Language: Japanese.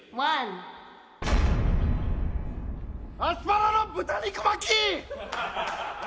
アスパラの豚肉巻き。